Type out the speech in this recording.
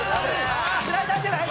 「スライダーじゃない？